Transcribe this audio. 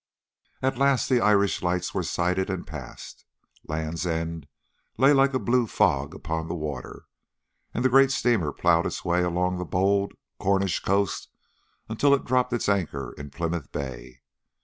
At last the Irish lights were sighted and passed, Land's End lay like a blue fog upon the water, and the great steamer ploughed its way along the bold Cornish coast until it dropped its anchor in Plymouth Bay.